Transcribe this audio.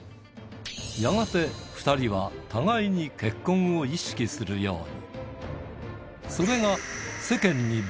やがて、２人は互いに結婚を意識するように。